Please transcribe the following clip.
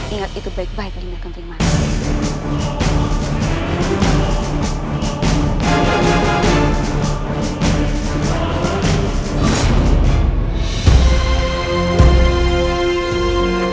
ingat itu baik baik rini kempimang